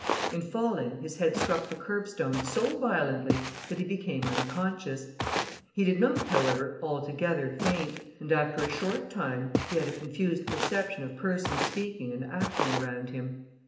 In falling, his head struck the curbstone so violently that he become unconscious. He did not, however, altogether faint, and after a short time he had a confused perception of persons speaking and acting around him.